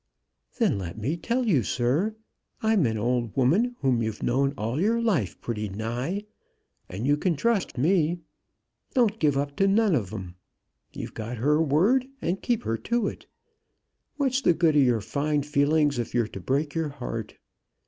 "Then let me tell you, sir. I'm an old woman whom you've known all your life pretty nigh, and you can trust me. Don't give up to none of 'em. You've got her word, and keep her to it. What's the good o' your fine feelings if you're to break your heart.